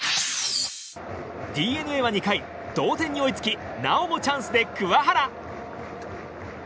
ＤｅＮＡは２回同点に追いつきなおもチャンスで桑原。